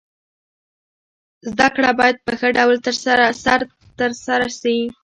زده کړه باید په ښه ډول سره تر سره سي.